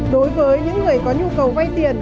đối với những người có nhu cầu vay tiền